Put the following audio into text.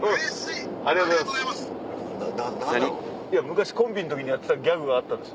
昔コンビの時にやってたギャグがあったんです。